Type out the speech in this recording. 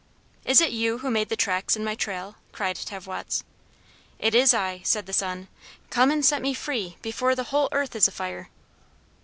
"Is it you who made the tracks in my trail?" cried Tavwots. "It is I," said the sun; "come and set me free, before the whole earth is afire."